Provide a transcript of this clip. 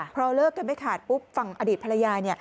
พอเลิกกันไม่ขาดปุ๊บฝั่งอดีตภรรยา